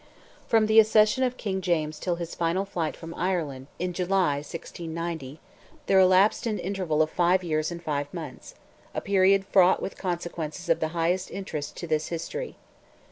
From the accession of King James till his final flight from Ireland, in July, 1690, there elapsed an interval of five years and five months; a period fraught with consequences of the highest interest to this history.